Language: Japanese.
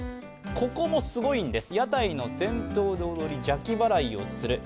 ここもすごいんです。